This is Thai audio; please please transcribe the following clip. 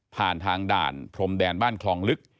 ผ่านทางด่านพรมแดนบ้านคลองลึก